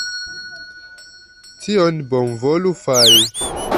Tion... Bonvolu fari...